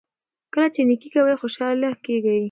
کله چې نیکي کوئ خوشحاله کیږئ.